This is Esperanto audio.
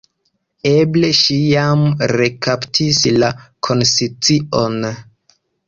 Eble ŝi jam rekaptis la konscion.